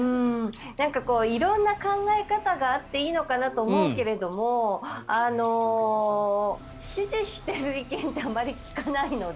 色んな考え方があっていいのかなと思うけれど支持してる意見ってあまり聞かないので。